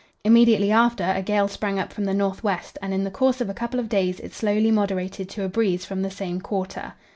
Immediately after a gale sprang up from the north west, and in the course of a couple of days it slowly moderated to a breeze from the same quarter.